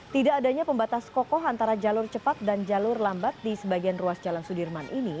tidak adanya pembatas kokoh antara jalur cepat dan jalur lambat di sebagian ruas jalan sudirman ini